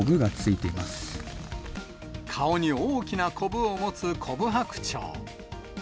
顔に大きなこぶを持つコブハクチョウ。